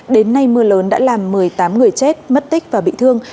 đến nay mưa lớn đã làm một mươi tám người chết mất tích và bị thương